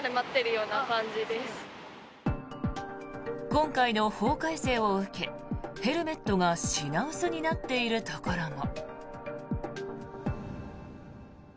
今回の法改正を受けヘルメットが品薄になっているところも。